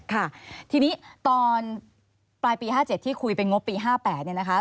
ค่ะทีนี้ตอนปลายปี๕๗ที่คุยเป็นงบปี๕๘เนี่ยนะคะ